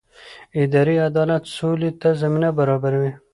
اداري عدالت سولې ته زمینه برابروي